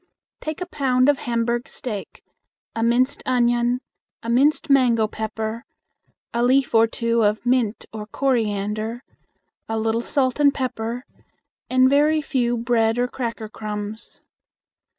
Take a pound of Hamburg steak, a minced onion, a minced mango pepper, a leaf or two of mint or coriander, a little salt and pepper, and very few bread or cracker crumbs.